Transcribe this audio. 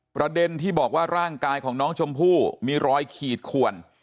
ประเด็นที่บอกว่าร่างกายของน้องชมพู่มีรอยขีดขวน